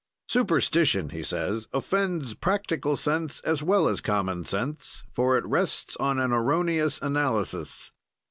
"Superstition," he says, "offends practical sense as well as common sense, for it rests on an erroneous analysis.